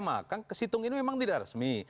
maka ke situng ini memang tidak resmi